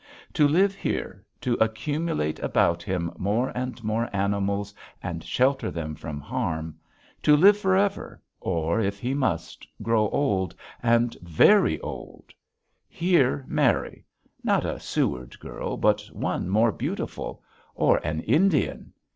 To live here, to accumulate about him more and more animals and shelter them from harm, to live forever or, if he must, grow old, and very old; here marry not a Seward girl but one more beautiful or an Indian!